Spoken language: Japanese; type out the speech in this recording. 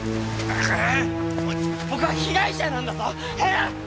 僕は被害者なんだぞっ